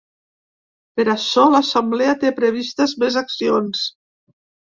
Per açò, l’assemblea té previstes més accions.